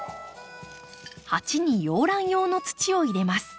鉢に洋ラン用の土を入れます。